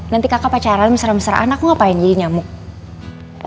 nanti kakak pacaran mesra mesraan aku ngapain jadi nyamuk